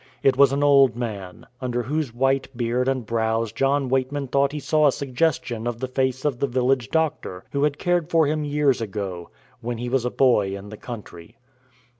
It was an old man, under whose white beard and brows John Weightman thought he saw a suggestion of the face of the village doctor who had cared for him years ago, when he was a boy in the country.